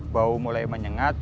bau mulai menyengat